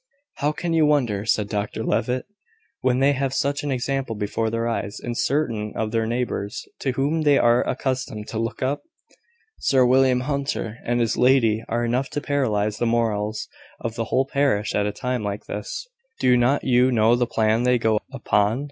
"How can you wonder," said Dr Levitt, "when they have such an example before their eyes in certain of their neighbours, to whom they are accustomed to look up? Sir William Hunter and his lady are enough to paralyse the morals of the whole parish at a time like this. Do not you know the plan they go upon?